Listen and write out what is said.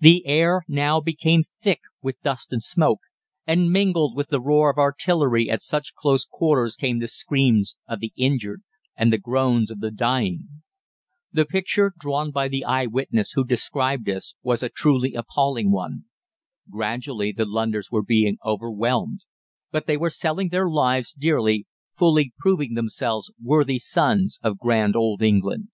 The air now became thick with dust and smoke; and mingled with the roar of artillery at such close quarters came the screams of the injured and the groans of the dying. The picture drawn by the eye witness who described this was a truly appalling one. Gradually the Londoners were being overwhelmed, but they were selling their lives dearly, fully proving themselves worthy sons of grand old England.